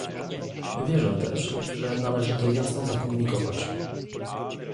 Wierzę też, że należy to jasno zakomunikować